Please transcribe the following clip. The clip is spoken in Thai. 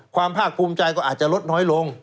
ภาคภูมิใจก็อาจจะลดน้อยลง